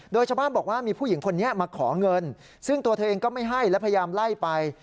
โดยชาวบ้านบอกว่ามีผู้หญิงคนนี้มาขอเงินซึ่งตัวเธอเองก็ไม่ให้และพยายามไล่ไป